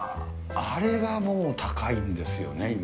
あれがもう高いんですよね、今。